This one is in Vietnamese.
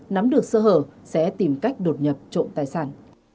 nắm được sơ hở sẽ tìm cách đột nhập trộm tài sản